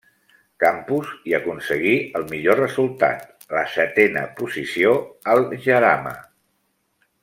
Campos hi aconseguí el millor resultat, la setena posició al Jarama.